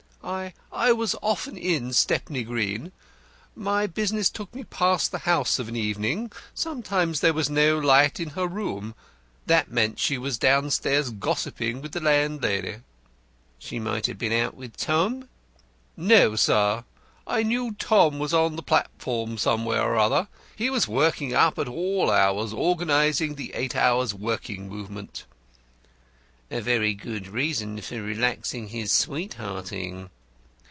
"I I was often in Stepney Green. My business took me past the house of an evening. Sometimes there was no light in her room. That meant she was downstairs gossiping with the landlady." "She might have been out with Tom?" "No, sir; I knew Tom was on the platform somewhere or other. He was working up to all hours organising the eight hours' working movement." "A very good reason for relaxing his sweethearting."